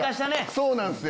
そうなんすよ。